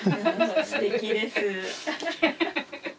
すてきです。